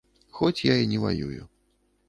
Хоць я і не ваюю.